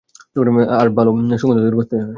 আর ভালো সুগন্ধ দীর্ঘস্থায়ী হয়।